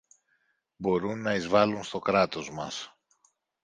μπορούν να εισβάλουν στο Κράτος μας.